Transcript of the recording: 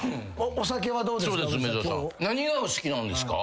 お酒はどうですか？